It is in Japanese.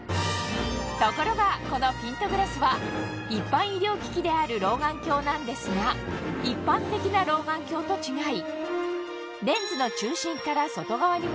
ところがこのピントグラスはである老眼鏡なんですが一般的な老眼鏡と違い